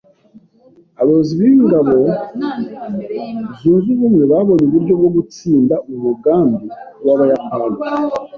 Abayobozi b'ingabo zunze ubumwe babonye uburyo bwo gutsinda umugambi w'Abayapani.